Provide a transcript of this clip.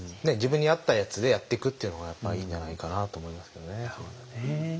自分に合ったやつでやっていくっていうのがやっぱいいんじゃないかなあと思いますけどね。